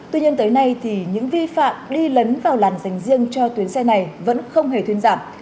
tuy nhiên tới nay thì những vi phạm đi lấn vào làn dành riêng cho tuyến xe này vẫn không hề thuyên giảm